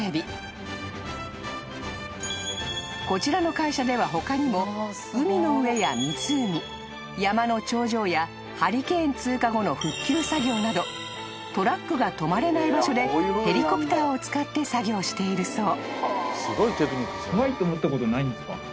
［こちらの会社では他にも海の上や湖山の頂上やハリケーン通過後の復旧作業などトラックが止まれない場所でヘリコプターを使って作業しているそう］